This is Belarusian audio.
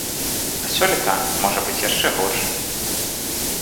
А сёлета можа быць яшчэ горш.